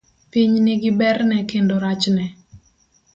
Piny nigi berne kendo rachne.